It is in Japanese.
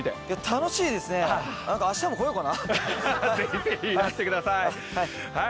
楽しいですね、明日も来ようかな。